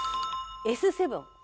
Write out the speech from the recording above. Ｓ７。